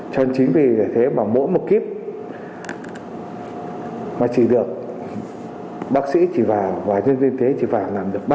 cho nên chính vì thế mà mỗi một kiếp mà chỉ được bác sĩ chỉ vào và nhân viên tế chỉ vào làm được ba